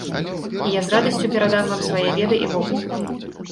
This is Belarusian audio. І я з радасцю перадам вам свае веды і вопыт.